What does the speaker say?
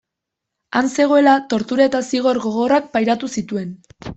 Han zegoela, tortura eta zigor gogorrak pairatu zituen.